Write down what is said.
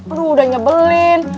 aduh udah nyebelin